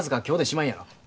今日でしまいやろ。